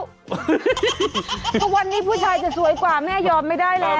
ทุกวันนี้ผู้ชายจะสวยกว่าแม่ยอมไม่ได้แล้ว